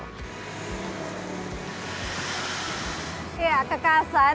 semanggi ini juga memiliki perusahaan yang sangat berkualitas